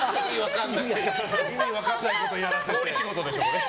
意味分かんないことやらせて。